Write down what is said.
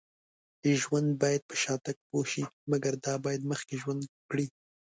ژوند باید په شاتګ پوه شي. مګر دا باید مخکې ژوند وکړي